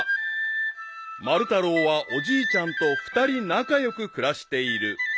［まるたろうはおじいちゃんと２人仲良く暮らしている］